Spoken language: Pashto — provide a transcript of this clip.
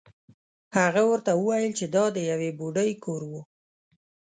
هغه ورته وویل چې دا د یوې بوډۍ کور و.